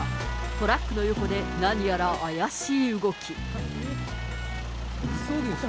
トラックの横で何やら怪しい動き。